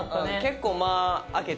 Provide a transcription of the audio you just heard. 結構間空けて。